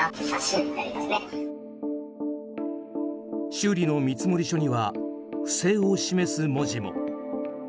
修理の見積書には不正を示す文字も。